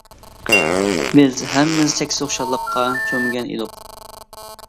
بىز ھەممىمىز چەكسىز خۇشاللىققا چۆمگەن ئىدۇق.